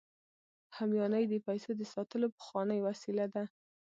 همیانۍ د پیسو د ساتلو پخوانۍ وسیله ده